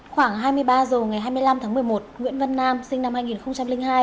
khoảng hai mươi ba h ngày hai mươi năm tháng một mươi một nguyễn văn nam sinh năm hai nghìn hai